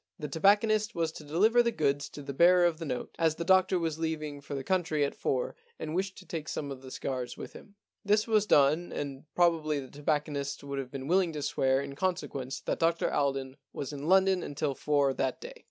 The tobacconist was to deliver the goods to the bearer of the note, as the doctor was leaving for the country at four and wished to take some of the cigars with him. This was done, and probably the tobacconist would have been willing to swear in consequence that Dr Alden was in London until four that day.